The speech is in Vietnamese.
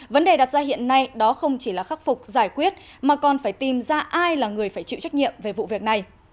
vấn đề đặt ra hiện nay đó không chỉ là khắc phục giải quyết mà còn phải tìm ra ai là người phải chịu trách nhiệm về vụ việc này